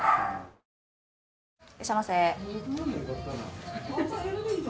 いらっしゃいませ。